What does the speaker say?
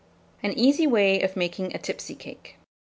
AN EASY WAY OF MAKING A TIPSY CAKE.